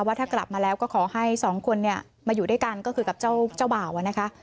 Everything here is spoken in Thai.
ว่าถ้ากลับมาแล้วก็ขอให้สองคนเนี่ยมาอยู่ด้วยกันก็คือกับเจ้าบ่าวนะคะ